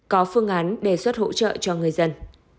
có phương án đề xuất hỗ trợ cho người dân